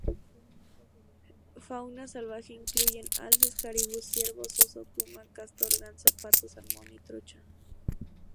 Fauna salvaje incluyen: alces, caribú, ciervos, oso, puma, castor, ganso, pato, salmón y trucha.